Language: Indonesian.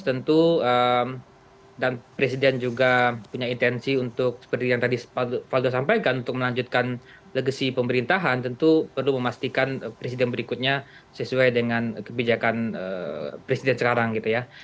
tentu dan presiden juga punya intensi untuk seperti yang tadi faldo sampaikan untuk melanjutkan legasi pemerintahan tentu perlu memastikan presiden berikutnya sesuai dengan kebijakan presiden sekarang gitu ya